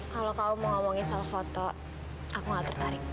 kalau kamu mau ngomongin soal foto aku gak tertarik